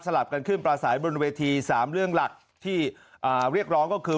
ลับกันขึ้นปลาสายบนเวที๓เรื่องหลักที่เรียกร้องก็คือ